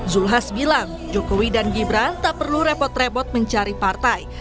zulkifli hasan bilang jokowi dan gibran tak perlu repot repot mencari partai